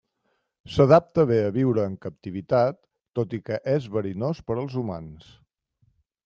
S'adapta bé a viure en captivitat, tot i que és verinós per als humans.